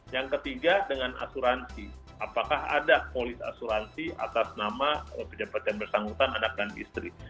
yang ketiga dengan asuransi apakah ada polis asuransi atas nama pejabat yang bersangkutan anak dan istri